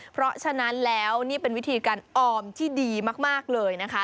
เพราะฉะนั้นแล้วนี่เป็นวิธีการออมที่ดีมากเลยนะคะ